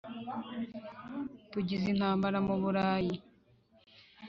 Tugize intambara mu Bulayi